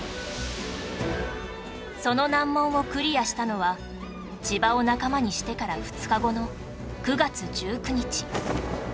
その難問をクリアしたのは千葉を仲間にしてから２日後の９月１９日